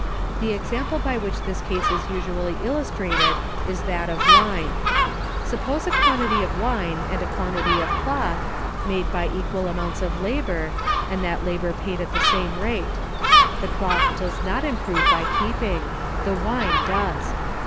The example by which this case is usually illustrated is that of wine. Suppose a quantity of wine and a quantity of cloth, made by equal amounts of labor, and that labor paid at the same rate. The cloth does not improve by keeping; the wine does.